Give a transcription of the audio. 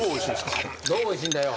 どうおいしいんだよ？